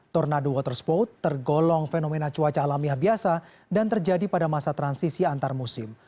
tornado water spout tergolong fenomena cuaca alamiah biasa dan terjadi pada masa transisi antar musim